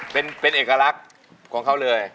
เป็นเอกลักษณ์ของเขาเลย